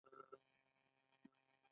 ذهني غلامي پرمختګ ته نه پریږدي.